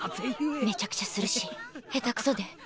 めちゃくちゃするし下手くそで。